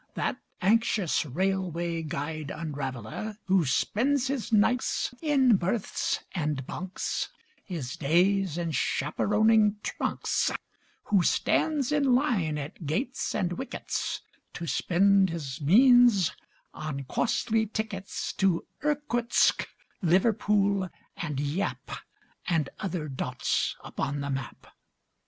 That anxious railway guide unraveler Who spends his nights in berths and bunks, His days in chaperoning trunks; Who stands in line at gates and wickets To spend his means on costly tickets To Irkutsk, Liverpool and Yap And other dots upon the map.